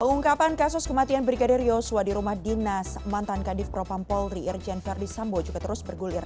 pengungkapan kasus kematian brigadir yosua di rumah dinas mantan kadif propampolri irjen verdi sambo juga terus bergulir